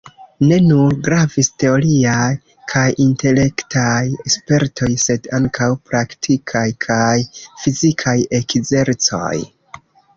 Ne nur gravis teoriaj kaj intelektaj spertoj sed ankaŭ praktikaj kaj fizikaj ekzercoj.